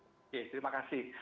oke terima kasih